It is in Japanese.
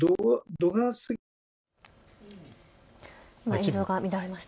映像が乱れました。